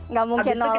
nggak mungkin nolak ya